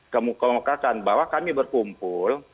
kemukakan bahwa kami berkumpul